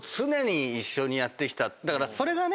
だからそれがね